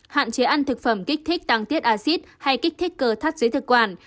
hạn chế ăn thực phẩm kích thích tăng tiết axit hay kích thích cờ thắt dưới thực quản